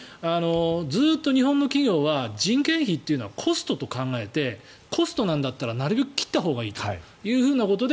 ずっと日本の企業は人件費というのはコストと考えてコストなんだったらなるべく切ったほうがいいということで